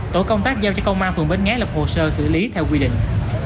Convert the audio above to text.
tổ công tác giao cho công an phường bến nghé lập hồ sơ xử lý theo quy định